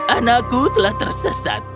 anakku telah tersesat